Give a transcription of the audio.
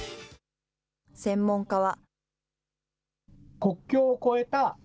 専門家は。